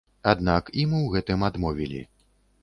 Аднак ім у гэтым адмовілі.